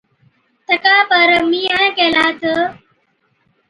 تڪا پر مِينهِينَي ڪيهلَي تہ،